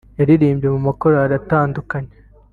yaririmbye mu makorali atandukanye